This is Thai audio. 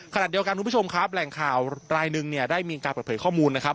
ขณะเดียวกันคุณผู้ชมครับแหล่งข่าวรายหนึ่งเนี่ยได้มีการเปิดเผยข้อมูลนะครับ